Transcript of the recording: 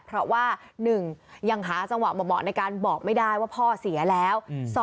เพราะว่า๑ยังหาจังหวะเหมาะในการบอกไม่ได้ว่าพ่อเสียแล้ว